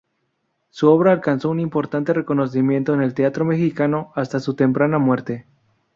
Su obra alcanzó un importante reconocimiento en el teatro mexicano hasta su temprana muerte.